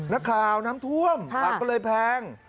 นักข่าวน้ำท่วมผักก็เลยแพง